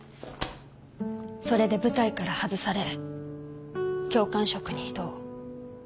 それで部隊から外され教官職に異動。